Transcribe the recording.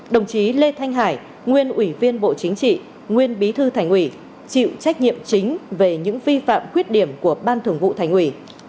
đồng chí lê thanh hải nguyên ủy viên bộ chính trị nguyên bí thư thành ủy chịu trách nhiệm chính về những vi phạm khuyết điểm của ban thường vụ thành ủy